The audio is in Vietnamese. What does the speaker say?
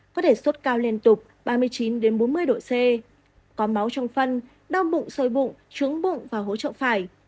có thể suốt cao liên tục ba mươi chín đến bốn mươi độ c có máu trong phân đau bụng sôi bụng trướng bụng và hỗ trợ phải